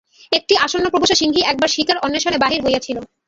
একটি আসন্নপ্রসবা সিংহী একবার শিকার-অন্বেষণে বাহির হইয়াছিল।